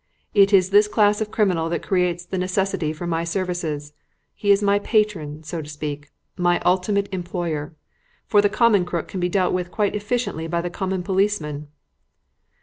It is this class of criminal that creates the necessity for my services. He is my patron, so to speak; my ultimate employer. For the common crook can be dealt with quite efficiently by the common policeman!"